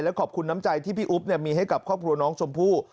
ขอบคุณน้ำใจที่พี่อุ๊บมีให้กับครอบครัวน้องชมพู่